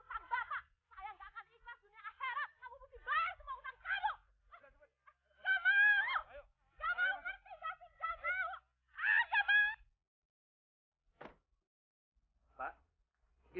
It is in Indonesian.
dua hari lagi